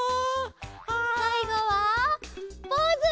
さいごはポーズ！